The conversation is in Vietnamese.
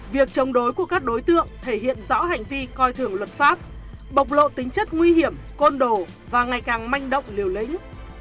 việc chống đối của các đối tượng thể hiện rõ hành vi coi thường luật pháp bộc lộ tính chất nguy hiểm côn đồ và ngày càng manh động liều lĩnh